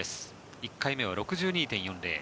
１回目は６２．４０。